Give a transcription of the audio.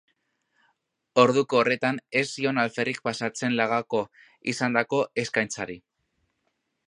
Orduko horretan ez zion alferrik pasatzen lagako izandako eskaintzari.